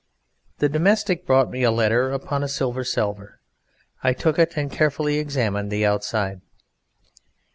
The Domestic brought me a letter upon a Silver Salver. I took it and carefully examined the outside.